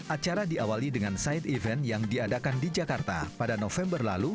acara diawali dengan side event yang diadakan di jakarta pada november lalu